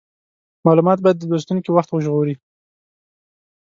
مالومات باید د لوستونکي وخت وژغوري.